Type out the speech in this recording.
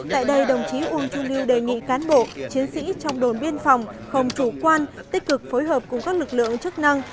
tại đây đồng chí uông chu lưu đề nghị cán bộ chiến sĩ trong đồn biên phòng không chủ quan tích cực phối hợp cùng các lực lượng chức năng